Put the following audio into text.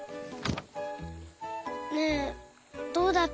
ねえどうだった？